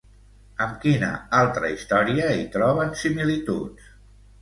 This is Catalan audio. Amb quina altra història hi troben similituds?